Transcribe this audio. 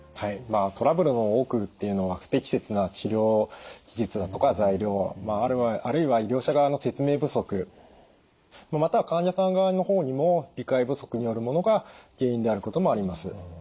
トラブルの多くっていうのは不適切な治療手術だとか材料あるいは医療者側の説明不足または患者さん側の方にも理解不足によるものが原因であることもあります。